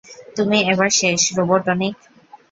তুমি এবার শেষ, রোবটনিক!